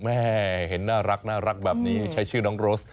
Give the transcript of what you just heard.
แม่เห็นน่ารักแบบนี้ใช้ชื่อน้องโรส